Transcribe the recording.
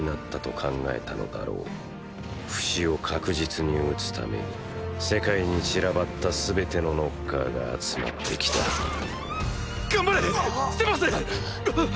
フシを確実に討つために世界に散らばった全てのノッカーが集まってきたがんばれセバス！！っ！